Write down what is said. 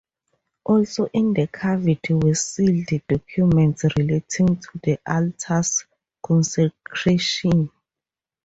Also in the cavity were sealed documents relating to the altar's consecration.